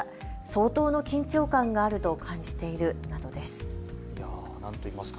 相当の緊張感があると感じているなどです。